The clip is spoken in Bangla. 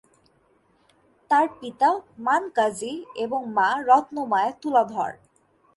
তার পিতা মান কাজি এবং মা রত্ন মায়া তুলাধর।